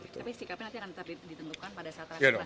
tapi sikapnya nanti akan ditentukan pada saat terakhir